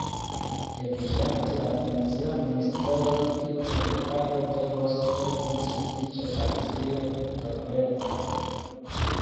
Evidente la Tunizia ministrejo pri edukado devos esti sufiĉe facile trovebla.